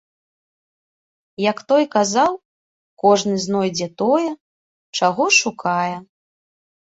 Як той казаў, кожны знойдзе тое, чаго шукае.